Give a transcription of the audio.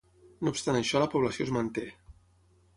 No obstant això la població es manté.